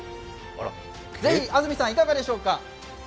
是非、安住さんいかがでしょうか？